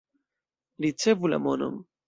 Ricevu la monon.